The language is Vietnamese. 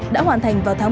đã hoàn thành vào tháng ba